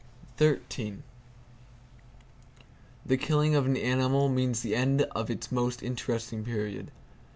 The killing of an animal means the end of its most interesting period.